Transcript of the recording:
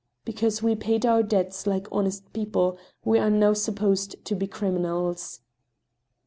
Because we paid our debts like honest people, we are now supposed to be criminals."